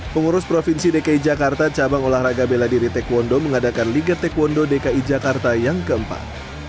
pengurus provinsi dki jakarta cabang olahraga bela diri taekwondo mengadakan liga taekwondo dki jakarta yang keempat